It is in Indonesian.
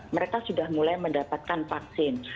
mereka sudah mulai mendapatkan vaksin